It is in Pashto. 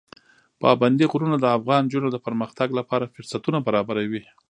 پابندی غرونه د افغان نجونو د پرمختګ لپاره فرصتونه برابروي.